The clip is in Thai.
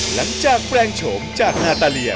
หลังจากแปลงโฉมจากนาตาเลีย